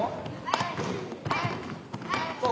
そう！